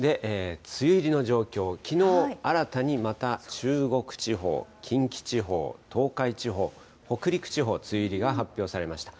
梅雨入りの状況、きのう、新たにまた中国地方、近畿地方、東海地方、北陸地方、梅雨入りが発表されました。